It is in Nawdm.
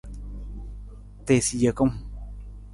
Tiisa jekung.